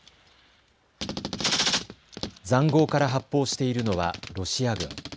ざんごうから発砲しているのはロシア軍。